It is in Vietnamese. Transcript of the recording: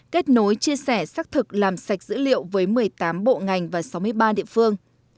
kết nối chia sẻ xác thực làm sạch dữ liệu với một mươi tám bộ ngành và sáu mươi ba địa phương